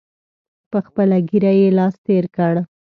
په خپله ږیره یې لاس تېر کړ.